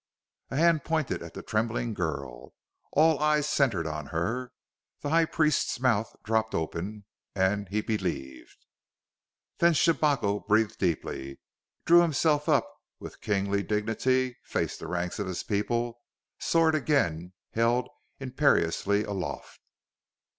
A hand pointed at the trembling girl; all eyes centered on her. The High Priest's mouth dropped open, and he believed. Then Shabako breathed deeply, drew himself up and with kingly dignity faced the ranks of his people, sword again held imperiously aloft.